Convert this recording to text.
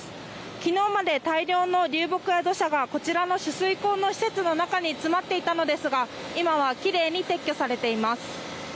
きのうまで大量の流木や土砂がこちらの取水口の施設の中に詰まっていたのですが今はきれいに撤去されています。